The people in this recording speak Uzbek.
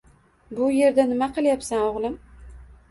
Bu yerda nima qilyapsan, o'g'lim?